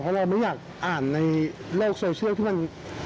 เพราะเราไม่อยากอ่านในโลกโซเชียลที่มัน